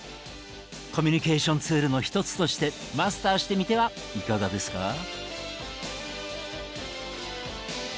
コミュニケーションツールの一つとしてマスターしてみてはいかがですか？